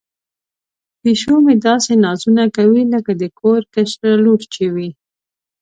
پیشو مې داسې نازونه کوي لکه د کور کشره لور چې وي.